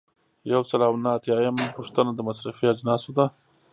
یو سل او نهه اتیایمه پوښتنه د مصرفي اجناسو ده.